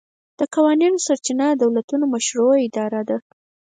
د قوانینو سرچینه د دولتونو مشروعه اراده ده